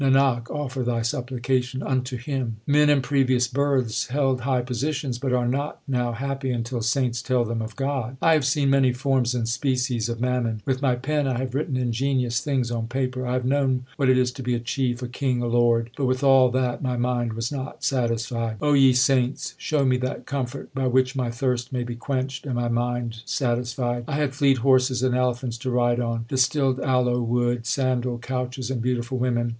Nanak, offer thy supplication unto Him. Men in previous births held high positions, but are not now happy until saints tell them of God : I have seen many forms and species of mammon ; With my pen I have written ingenious things on paper ; I have known what it is to be a chief, a king, a lord ; But with all that my mind was not satisfied. 136 THE SIKH RELIGION O, ye saints, show me that comfort, By which my thirst may be quenched and my mind satisfied. I had fleet horses and elephants to ride on, Distilled aloe wood, sandal, couches, and beautiful women.